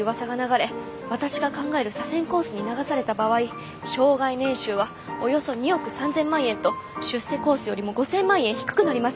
私が考える左遷コースに流された場合生涯年収はおよそ２億３，０００万円と出世コースよりも５，０００万円低くなります。